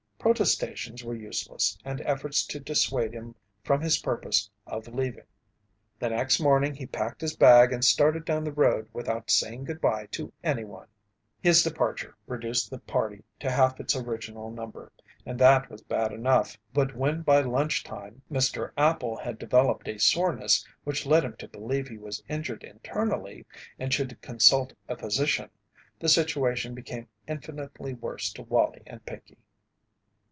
Protestations were useless and efforts to dissuade him from his purpose of leaving. The next morning he packed his bag and started down the road without saying good bye to any one. His departure reduced the party to half its original number, and that was bad enough, but when by lunch time Mr. Appel had developed a soreness which led him to believe he was injured internally and should consult a physician, the situation became infinitely worse to Wallie and Pinkey.